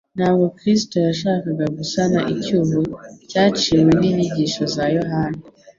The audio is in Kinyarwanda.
Ntabwo Kristo yashakaga gusana icyuho cyaciwe n'inyigisho za Yohana.